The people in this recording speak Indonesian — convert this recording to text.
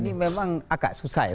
ini memang agak susah ya